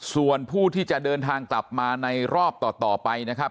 ส่วนผู้ที่จะเดินทางกลับมาในรอบต่อไปนะครับ